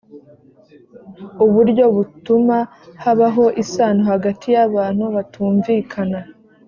uburyo butuma habaho isano hagati y’abantu batumvikana